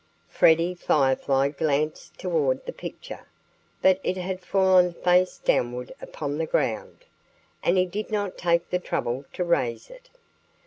Freddie Firefly glanced toward the picture. But it had fallen face downward upon the ground. And he did not take the trouble to raise it.